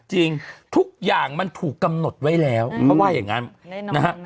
จริงทุกอย่างมันถูกกำหนดไว้แล้วเขาว่าอย่างนั้นนะฮะ